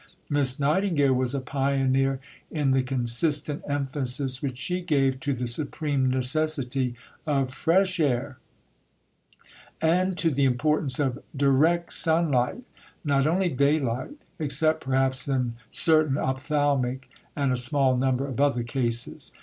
Miss Nightingale was a pioneer in the consistent emphasis which she gave to the supreme necessity of fresh air, and to the importance of "direct sunlight, not only daylight, except perhaps in certain ophthalmic and a small number of other cases."